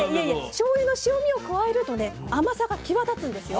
しょうゆの塩味を加えるとね甘さが際立つんですよ。